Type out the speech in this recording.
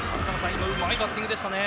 今うまいバッティングでしたね。